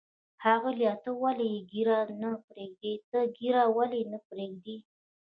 ښاغلیه، ته ولې ږیره نه پرېږدې؟ ته ږیره ولې نه پرېږدی؟